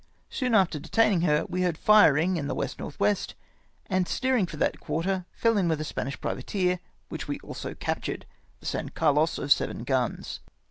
Soon after detaining her we heard firing in the W. N. W., and steering for that quarter fell in with a Spanish privateer, which we also captured, the San Carlos, of seven guns.